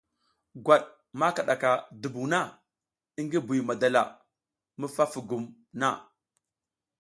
Gwat ma kiɗaka dumbuŋ na i ngi Buy madala mi fa fugum na.